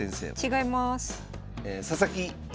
違います。